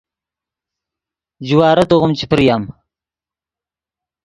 جوارے توغیم چے پریم